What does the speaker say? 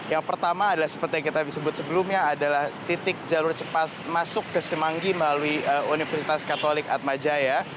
yang pertama adalah seperti yang kita sebut sebelumnya adalah titik jalur cepat masuk ke semanggi melalui universitas katolik atmajaya